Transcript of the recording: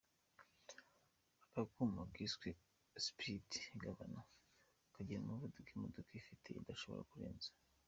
Aka kuma kiswe speed governor kagena umuvuduko imodoka igafite idashobora kurenza.